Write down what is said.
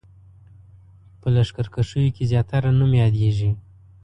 په لښکرکښیو کې زیاتره نوم یادېږي.